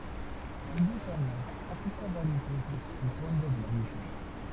En diez años afecta varias veces el fondo del abismo.